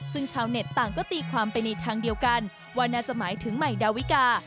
ซึ่งชาวเน็ตต่างก็ตีความไปในทางเดียวกันว่าน่าจะหมายถึงใหม่ดาวิกา